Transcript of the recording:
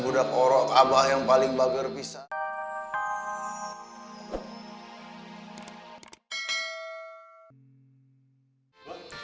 budak orang abah yang paling bager pisang